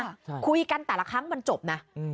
ใช่คุยกันแต่ละครั้งมันจบนะอืม